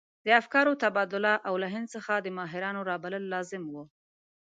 د افکارو تبادله او له هند څخه د ماهرانو رابلل لازم وو.